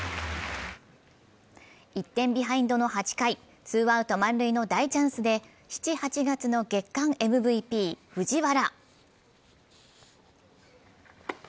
１点ビハインドの８回、ツーアウト満塁の大チャンスで７・８月の月刊ＭＶＰ・藤原。